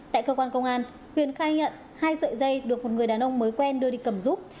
tại cơ quan công an huyền khai nhận hai sợi dây được một người đàn ông mới quen đưa đi cầm giúp